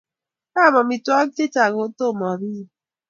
Ka am amitwogik chechang' ako tomo apiey.